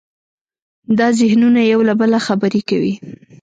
دا ذهنونه یو له بله خبرې کوي.